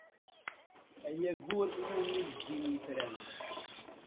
Ay aggur iwumi zzin yetran!